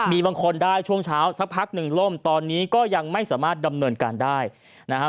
มีบางคนได้ช่วงเช้าสักพักหนึ่งล่มตอนนี้ก็ยังไม่สามารถดำเนินการได้นะครับ